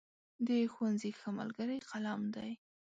د ښوونځي ښه ملګری قلم دی.